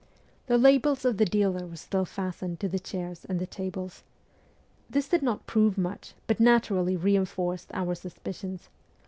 The labels of the dealer were still fastened to the chairs and the tables. This did not prove much, but naturally reinforced our suspicions.